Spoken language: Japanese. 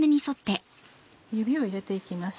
指を入れて行きます。